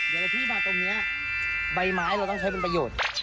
เดี๋ยวพี่มาตรงนี้ใบไม้เราต้องใช้เป็นประโยชน์